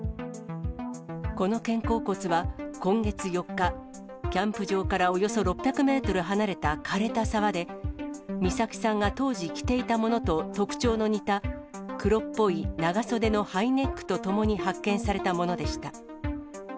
この肩甲骨は今月４日、キャンプ場からおよそ６００メートル離れたかれた沢で、美咲さんが当時着ていたものと特徴の似た、黒っぽい長袖のハイネックと共に発見されたものでした。